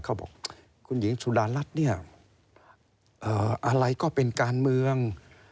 เขาบอกคุณหญิงสุดารัฐเนี่ยอะไรก็เป็นการเมือง